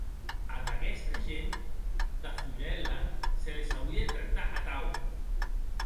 Ad aguesta gent tafurèla se les auie de tractar atau.